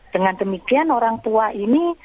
dengan demikian orang tua ini